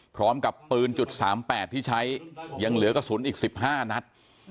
พร้อมกับปืน๓๘ที่ใช้ยังเหลือกระสุนอีก๑๕นัด